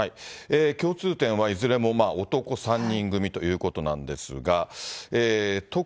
共通点はいずれも男３人組ということなんですが。